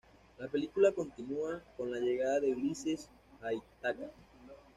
La película continúa con la llegada de Ulises a Ítaca.